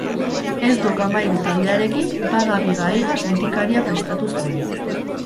Ez Dok Amairu taldearekin Baga-Biga-Higa sentikaria prestatu zuen